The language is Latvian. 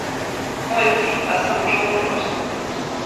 Muļķīt, esam džungļos.